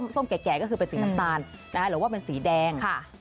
ส้มแก่ก็คือเป็นสีน้ำตาลหรือว่าเป็นสีแดง